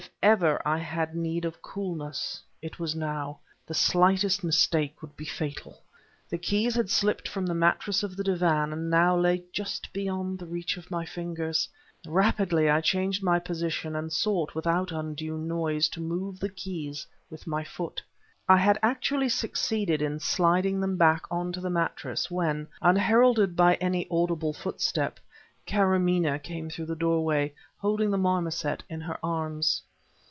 If ever I had need of coolness it was now; the slightest mistake would be fatal. The keys had slipped from the mattress of the divan, and now lay just beyond reach of my fingers. Rapidly I changed my position, and sought, without undue noise, to move the keys with my foot. I had actually succeeded in sliding them back on to the mattress, when, unheralded by any audible footstep, Karamaneh came through the doorway, holding the marmoset in her arms.